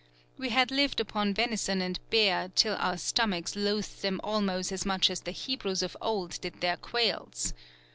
We had lived upon Venison and Bear till our stomachs loath'd them almost as much as the Hebrews of old did their Quails.